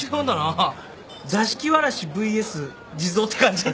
座敷わらしＶＳ地蔵って感じ？